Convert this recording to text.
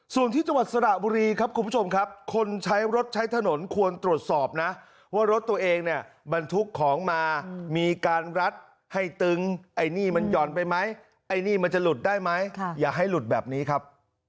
ส่วนที่จังหวัดสระบุรีครับคุณผู้ชมครับคนใช้รถใช้ถนนควรตรวจสอบนะว่ารถตัวเองเนี่ยบรรทุกของมามีการรัดให้ตึงไอ้นี่มันห่อนไปไหมไอ้นี่มันจะหลุดได้ไหมอย่าให้หลุดแบบนี้ครับ